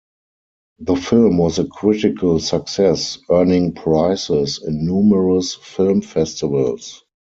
The film was a critical success, earning prizes in numerous film festivals.